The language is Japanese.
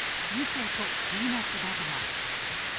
みそとピーナツバター！